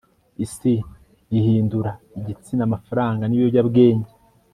isi ihindura igitsina, amafaranga nibiyobyabwenge